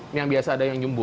ini yang biasa ada yang jumbo